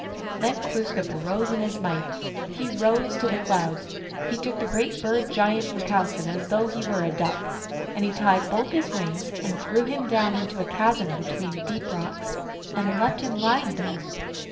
Then Glooskap rose in his might ; he rose to the clouds ; he took the Great Bird giant Wuchowsen as though he were a duck, and tied both his wings, and threw him down into a chasm between deep rocks, and left him lying there.